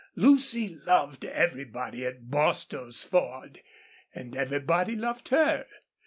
Lucy loved everybody at Bostil's Ford and everybody loved her.